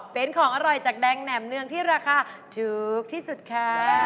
เป็นของอร่อยจากแดงแหน่มเนืองที่ราคาถูกที่สุดค่ะ